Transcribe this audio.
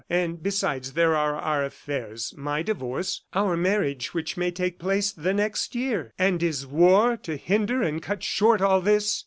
And besides there are our affairs, my divorce, our marriage which may take place the next year. ... And is war to hinder and cut short all this!